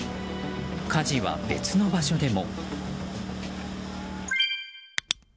火事は、別の場所でも。